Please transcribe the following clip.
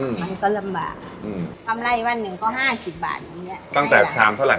มันก็ลำบากอืมกำไรวันหนึ่งก็ห้าสิบบาทอย่างเงี้ยตั้งแต่ชามเท่าไห